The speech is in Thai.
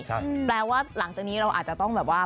แปลว่าหลังจากนี้เราอาจจะต้องแบบว่า